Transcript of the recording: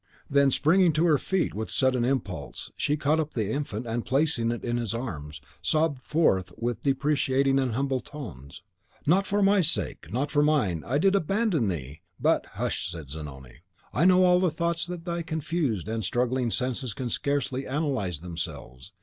Then springing to her feet with a sudden impulse, she caught up the infant, and, placing it in his arms, sobbed forth, with deprecating and humble tones, "Not for my sake, not for mine, did I abandon thee, but " "Hush!" said Zanoni; "I know all the thoughts that thy confused and struggling senses can scarcely analyse themselves.